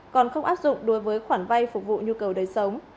còn không áp dụng đối với khoản vay phục vụ nhu cầu đời sống